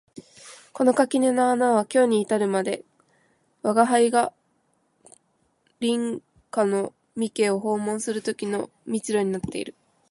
この垣根の穴は今日に至るまで吾輩が隣家の三毛を訪問する時の通路になっている